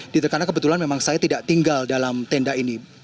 karena kebetulan memang saya tidak tinggal dalam tenda ini